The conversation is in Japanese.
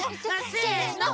せの！